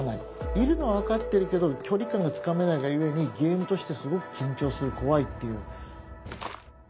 いるのは分かってるけど距離感がつかめないがゆえにゲームとしてすごく緊張する怖いっていう。